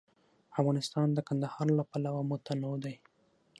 افغانستان د کندهار له پلوه متنوع دی.